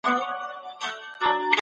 د برګر خوړلو ته زړه نه ښه کوي.